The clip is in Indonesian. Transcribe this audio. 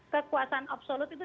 kekuasaan absolut itu